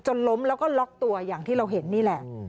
ล้มแล้วก็ล็อกตัวอย่างที่เราเห็นนี่แหละ